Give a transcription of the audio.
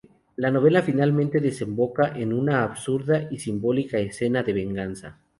La novela finalmente desemboca en una absurda y simbólica escena de venganza.